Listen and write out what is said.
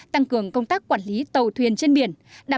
tăng cường công tác quản lý tàu thuyền trên biển